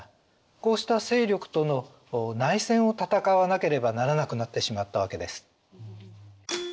こうした勢力との内戦を戦わなければならなくなってしまったわけです。